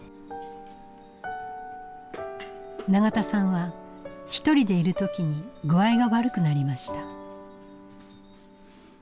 永田さんはひとりでいる時に具合が悪くなりました。